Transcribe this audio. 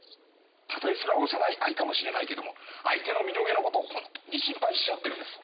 たとえそれは幼い愛かもしれないけども相手の身の上のことを本当に心配しあってるんです